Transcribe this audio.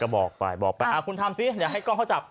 บอกไปคุณทำสิเดี๋ยวให้กล้องเขาจับ